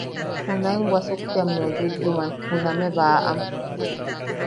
Junaen wasuktiammeu yuyyuman juname baʼam.